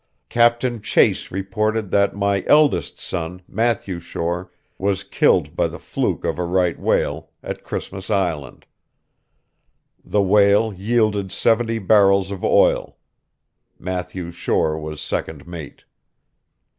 Captain Chase reported that my eldest son, Matthew Shore, was killed by the fluke of a right whale, at Christmas Island. The whale yielded seventy barrels of oil. Matthew Shore was second mate."